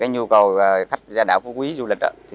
nhu cầu khách ra đảo phú quý du lịch